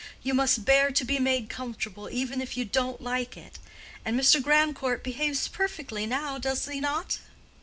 You must bear to be made comfortable, even if you don't like it. And Mr. Grandcourt behaves perfectly, now, does he not?"